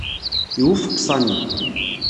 Iwufeq Sami.